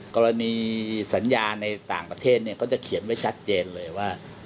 กรณีสัญญาในต่างประเทศก็จะเขียนไว้ชัดเจนเลยว่า